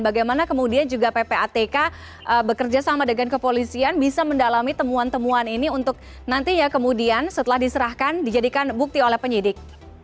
bagaimana kemudian juga ppatk bekerja sama dengan kepolisian bisa mendalami temuan temuan ini untuk nantinya kemudian setelah diserahkan dijadikan bukti oleh penyidik